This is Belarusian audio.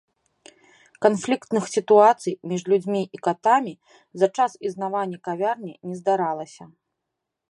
Канфліктных сітуацый між людзьмі і катамі за час існавання кавярні не здаралася.